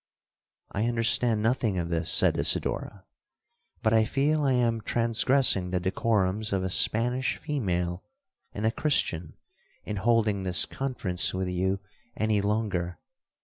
'—'I understand nothing of this,' said Isidora; 'but I feel I am transgressing the decorums of a Spanish female and a Christian, in holding this conference with you any longer.